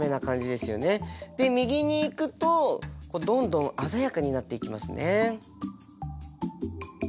で右にいくとどんどんあざやかになっていきますね。